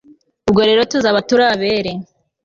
ubwo rero tuzaba turi abere